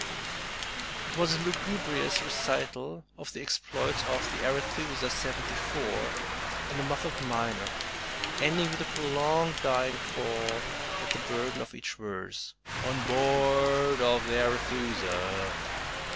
It was a lugubrious recital of the exploits of "the Arethusa, Seventy four," in a muffled minor, ending with a prolonged dying fall at the burden of each verse, "On b oo o ard of the Arethusa."